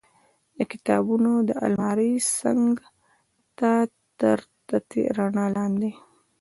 د کتابونو المارۍ څنګ ته تر تتې رڼا لاندې.